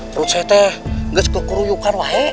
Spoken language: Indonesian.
kalau tidak kita harus ke kuru kuru yukar wahai